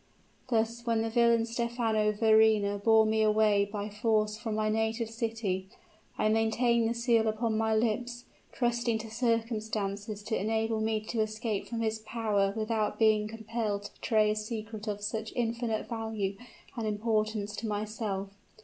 Thus, when the villain Stephano Verrina bore me away by force from my native city, I maintained the seal upon my lips, trusting to circumstances to enable me to escape from his power without being compelled to betray a secret of such infinite value and importance to myself.